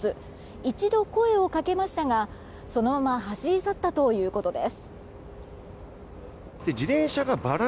一度、声を掛けましたがそのまま走り去ったということです。